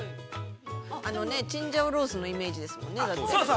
◆あのね、チンジャオロースのイメージですもんね、だって。